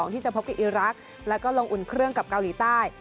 ที่จะพบกับอีรักษ์แล้วก็ลงอุ่นเครื่องกับเกาหลีใต้